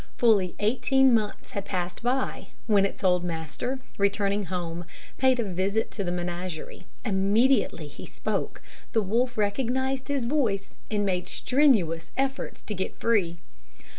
Fully eighteen months had passed by, when its old master, returning home, paid a visit to the menagerie. Immediately he spoke, the wolf recognised his voice, and made strenuous efforts to get free.